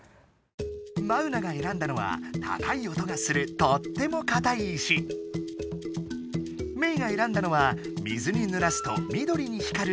マウナが選んだのは高い音がするとってもかたい石。メイが選んだのは水にぬらすとみどりに光るきれいな石だ！